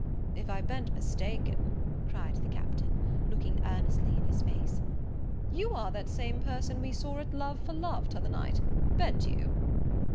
"If I ben't mistaken," cried the Captain, (looking earnestly in his face,) "you are that same person we saw at Love for Love t'other night; ben't you?"